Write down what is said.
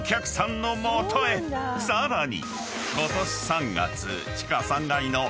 ［さらに］